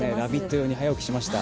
用に早起きしました。